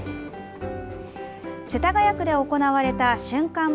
世田谷区で行われた瞬間